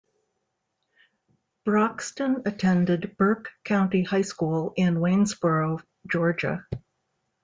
Broxton attended Burke County High School in Waynesboro, Georgia.